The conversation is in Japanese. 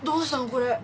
これ。